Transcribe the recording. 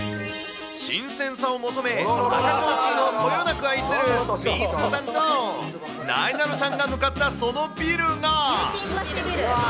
新鮮さを求め、赤ちょうちんをこよなく愛するみーすーさんとなえなのちゃんが向ニュー新橋ビル。